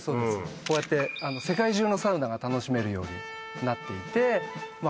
こうやって世界中のサウナが楽しめるようになっていてまあ